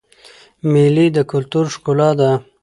مېلې د کلتور ښکلا ده.